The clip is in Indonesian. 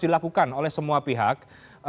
dilakukan oleh semua pihak